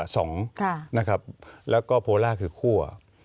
สองครับแล้วก็โพลาคือคั่ว